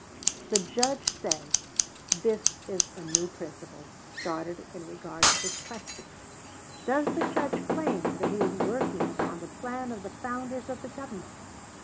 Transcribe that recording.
The Judge says this is a new principle started in regard to this question. Does the Judge claim that he is working on the plan of the founders of the government?